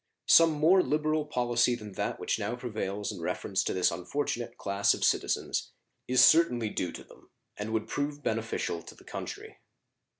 Some more liberal policy than that which now prevails in reference to this unfortunate class of citizens is certainly due to them, and would prove beneficial to the country.